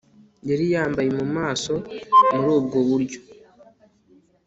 Yari yambaye mu maso muri ubwo buryo